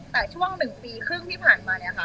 แต่ช่วง๑ปีครึ่งที่ผ่านมาเนี่ยค่ะ